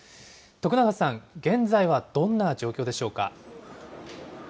徳永さん、現在はどんな状況でしょうか。